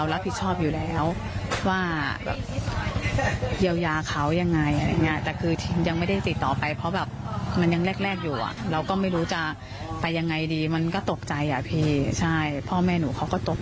แล้วก็อยากไปขอโทษ